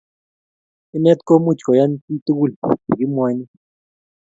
Inet ko much koyan kiy tugul che kimwaini